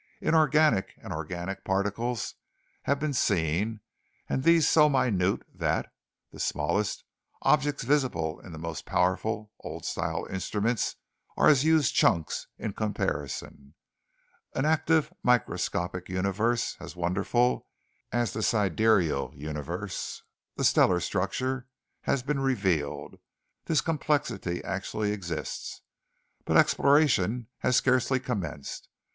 Inorganic and organic particles have been seen, and these so minute that (the smallest) objects visible in the most powerful old style instruments are as huge chunks in comparison. An active microscopic universe as wonderful as the sidereal universe, the stellar structure, has been revealed. This complexity actually exists; but exploration has scarcely commenced.